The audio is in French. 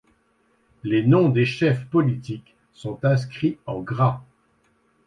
Les noms des chefs politiques sont inscrits en gras.